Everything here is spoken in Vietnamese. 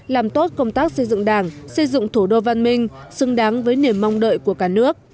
làm tốt công tác xây dựng đảng xây dựng thủ đô văn minh xứng đáng với niềm mong đợi của cả nước